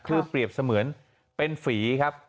คือเปรียบเสมือนเป็นฝีครับ